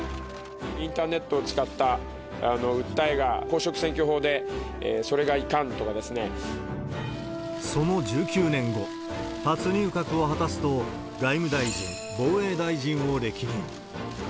インターネットを使った訴えが公職選挙法でそれがいかんとかその１９年後、初入閣を果たすと、外務大臣、防衛大臣を歴任。